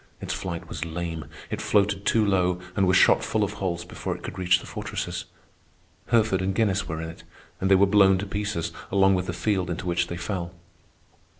Its flight was lame. It floated too low and was shot full of holes before it could reach the fortresses. Herford and Guinness were in it, and they were blown to pieces along with the field into which they fell.